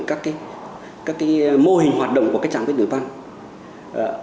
các cái mô hình hoạt động của cái trạng khí tượng thủy văn